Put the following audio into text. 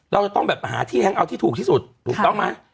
เราจะต้องแบบหาที่แฮงเอาที่ถูกที่สุดถูกต้องไหม